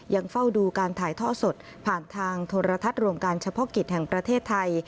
ยังเฝ้าดูการถ่ายท่อสดผ่านทางโทรทัศน์รวมการเฉพาะกิจแห่งประเทศไทย